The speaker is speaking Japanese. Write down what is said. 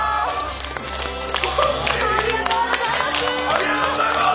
ありがとうございます！